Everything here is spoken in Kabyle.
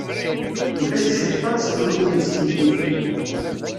Ulac cciṭan, sennig win iskiddiben.